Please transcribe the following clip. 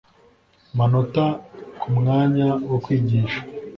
manota ku mwanya wo kwigisha